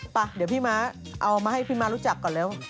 ไปเดี๋ยวพี่มารู้จักก่อนแล้ว